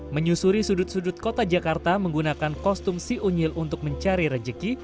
menyusuri sudut sudut kota jakarta menggunakan kostum si unyil untuk mencari rejeki